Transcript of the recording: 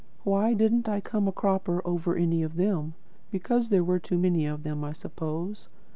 Why didn't I come a cropper over any of them? Because there were too many, I suppose.